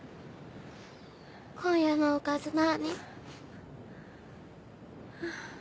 今夜のおかず何？